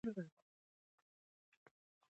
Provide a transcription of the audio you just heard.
حرام مال اولادونه خرابوي.